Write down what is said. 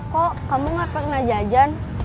kok kamu gak pernah jajan